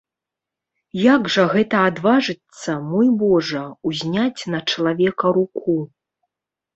Як жа гэта адважыцца, мой божа, узняць на чалавека руку!